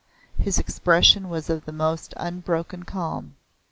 His expression was of the most unbroken calm.